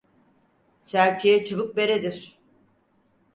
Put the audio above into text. Serçeye çubuk beredir.